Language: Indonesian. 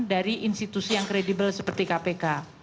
dari institusi yang kredibel seperti kpk